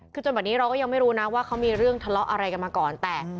คือจนแบบนี้เราก็ยังไม่รู้นะว่าเขามีเรื่องทะเลาะอะไรกันมาก่อนแต่